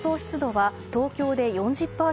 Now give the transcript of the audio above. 湿度は東京で４０％